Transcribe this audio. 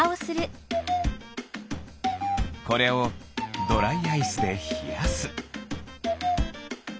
これをドライアイスでひやす。